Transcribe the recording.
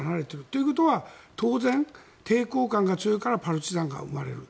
ということは当然抵抗感が強いからパルチザンが生まれる。